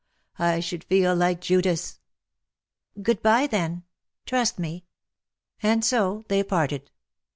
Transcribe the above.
I should feel like Judas/' '^ Good by^ then. Trust me.'' And so they parted.